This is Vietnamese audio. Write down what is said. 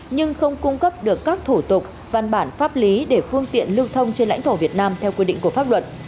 nhưng không cung cấp được các thủ tục văn bản pháp lý để phương tiện lưu thông trên lãnh thổ việt nam theo quy định của pháp luật